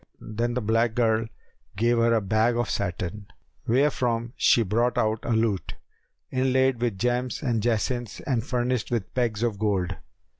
Then the black girl gave her a bag of satin wherefrom she brought out a lute, inlaid with gems and jacinths and furnished with pegs of gold.